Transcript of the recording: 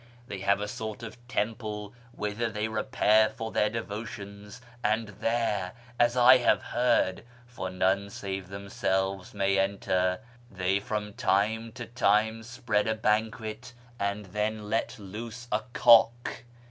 They have a sort of temple whither they repair for their devotions, and there, as I have heard (for none save themselves may enter), they from time to time spread a banquet, and then let loose a cock.